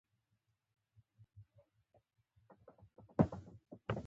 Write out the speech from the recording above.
ښایست د مینې بڼه ده